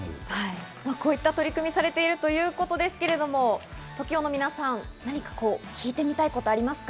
こういった取り組みをされているということでＴＯＫＩＯの皆さん、何か聞いてみたいことはありますか？